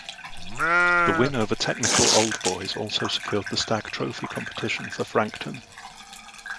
The win over Technical Old Boys also secured the Stag Trophy competition for Frankton.